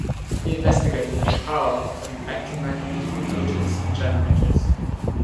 He investigated the power of an electromagnet in motors and generators.